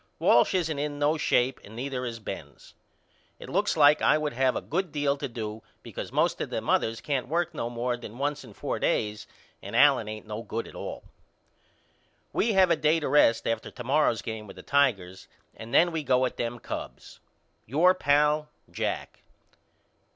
Walsh isn't in no shape and neither is Benz. It looks like I would have a good deal to do because most of them others can't work no more than once in four days and Allen ain't no good at all. We have a day to rest after to morrow's game with the Tigers and then we go at them Cubs. Your pal, JACK.